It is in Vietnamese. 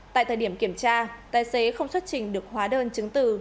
tại thời điểm kiểm tra tài xế không xuất trình được hóa đơn chứng từ